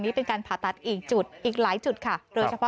นี่ความเราสวยจริงคุณผู้ชม